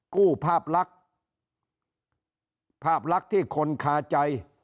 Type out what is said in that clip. กู้ภาพลักษณ์ภาพลักษณ์ที่คนคาใจ